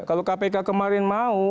kalau kpk kemarin malu